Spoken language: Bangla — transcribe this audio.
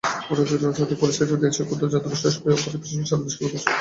অরাজক রাজনৈতিক পরিস্থিতি দেশের ক্ষুদ্র জাতিগোষ্ঠীর পাশাপাশি সারা দেশকে ক্ষতিগ্রস্ত করে চলেছে।